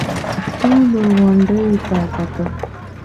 ټولو غونډيو ته کتل.